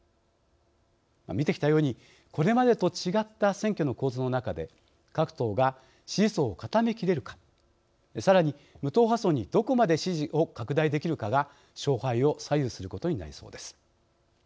見てきたようにこれまでと違った選挙の構図の中で各党が支持層を固めきれるかさらに無党派層にどこまで支持を拡大できるかが勝敗を左右することになりそうです。